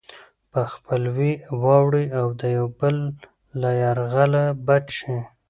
په خپلوۍ واوړي او د يو بل له يرغله بچ شي.